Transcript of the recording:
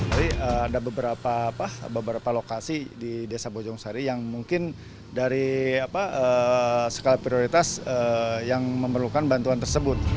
tapi ada beberapa lokasi di desa bojong sari yang mungkin dari skala prioritas yang memerlukan bantuan tersebut